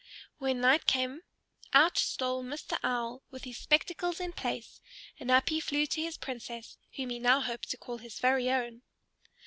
When night came out stole Mr. Owl, with his spectacles in place, and up he flew to his Princess, whom he now hoped to call his very own.